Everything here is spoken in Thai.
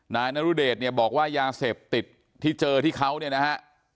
นายนรุเดชเนี่ยบอกว่ายาเสพติดที่เจอที่เขาเนี่ยนะฮะ